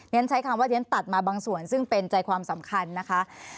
ฉันใช้คำว่าที่ฉันตัดมาบางส่วนซึ่งเป็นใจความสำคัญนะคะ